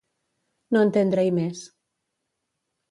No entendre-hi més.